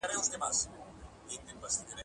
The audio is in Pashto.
ما به څرنګه پر لار کې محتسب خانه خرابه !.